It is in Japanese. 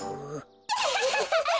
アハハハハ！